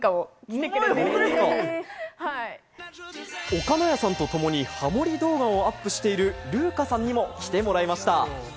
おかのやさんとともにハモリ動画をアップしている、るーかさんにも来ていただきました。